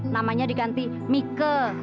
namanya diganti mike